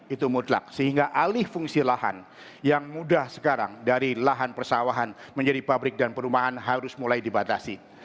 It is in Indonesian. itu mutlak sehingga alih fungsi lahan yang mudah sekarang dari lahan persawahan menjadi pabrik dan perumahan harus mulai dibatasi